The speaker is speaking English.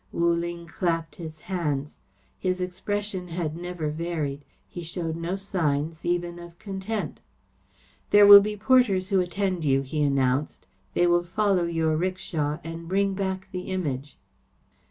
Wu Ling clapped his hands. His expression had never varied. He showed no signs, even of content. "There will be porters who attend you," he announced. "They will follow your 'rickshaw and bring back the Image."